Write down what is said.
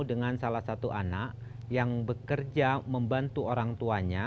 dengan salah satu anak yang bekerja membantu orang tuanya